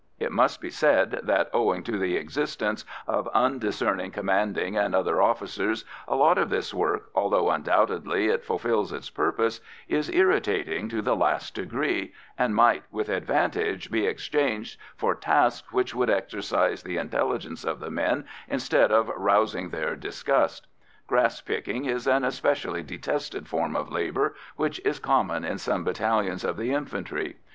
It must be said that, owing to the existence of undiscerning commanding and other officers, a lot of this work, although undoubtedly it fulfils its purpose, is irritating to the last degree, and might with advantage be exchanged for tasks which would exercise the intelligence of the men instead of rousing their disgust. Grass picking is an especially detested form of labour which is common in some battalions of the infantry.